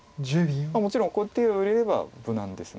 もちろん手を入れれば無難です。